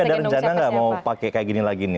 ada rencana nggak mau pakai kayak gini lagi nih